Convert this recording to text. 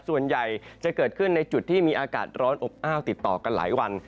ส่วนใหญ่จะเกิดขึ้นในจุดที่มีอากาศร้อนอบอ้าวติดต่อกันหลายวัน